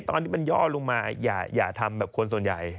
ตอนที่มันย่อลงมาอย่าทำแบบคนส่วนใหญ่